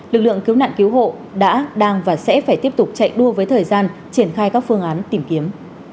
lực lượng cứu nạn cứu hộ đã đang và sẽ phải tiếp tục chạy đua với thời gian triển khai các phương án tìm kiếm